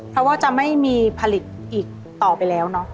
เพราะว่าจะไม่มีผลิตอีกต่อไปแล้วเนอะ